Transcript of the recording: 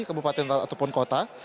kebupaten ataupun kota